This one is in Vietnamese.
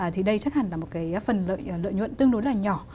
thì đây chắc hẳn là một cái phần lợi nhuận tương đối là nhỏ